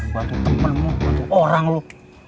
tentu temenmu tentu orang lu